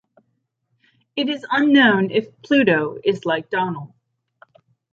It is unknown if Pluto like Donald.